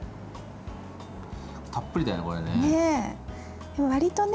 たっぷりだよね、これね。